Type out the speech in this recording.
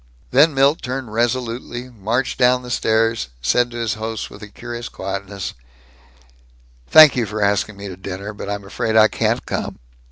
Then Milt turned resolutely, marched down the stairs, said to his hosts with a curious quietness, "Thank you for asking me to dinner, but I'm afraid I can't come.